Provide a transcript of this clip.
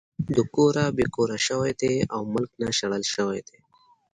د کوره بې کوره شوے دے او ملک نه شړلے شوے دے